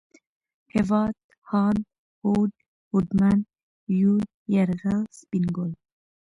هېواد ، هاند ، هوډ ، هوډمن ، يون ، يرغل ، سپين ګل